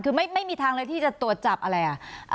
คือไม่มีทางเลยที่จะตรวจจับอะไรอ่ะ